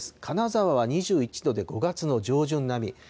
金沢は２１度で、５月の上旬並み。